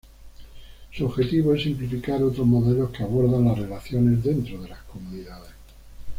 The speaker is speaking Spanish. Su objetivo es simplificar otros modelos que abordan las relaciones dentro de las comunidades.